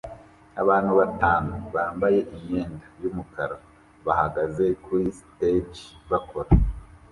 Abantu batanu bambaye imyenda yumukara bahagaze kuri stage bakora